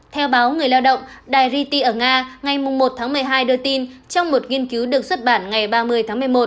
theo báo người lao động đài rety ở nga ngày một tháng một mươi hai đưa tin trong một nghiên cứu được xuất bản ngày ba mươi tháng một mươi một